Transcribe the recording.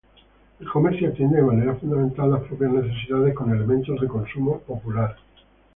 El comercio atiende de manera fundamental las propias necesidades con elementos de consumo popular.